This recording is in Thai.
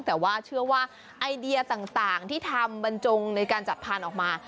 แต่ว่าเชื่อว่าไอเดียต่างที่ทำบรรจงในการจัดพันธุ์ออกมา